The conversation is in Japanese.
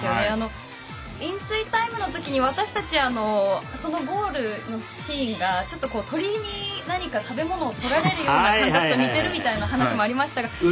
飲水タイムのときには私たち、そのゴールのシーンが鳥に何か食べ物をとられるような感覚と似ているという話もありましたけど。